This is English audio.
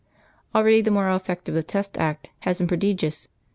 Already the moral effect of the Test Act has been prodigious.